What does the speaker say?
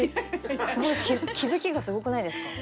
すごい気付きがすごくないですか？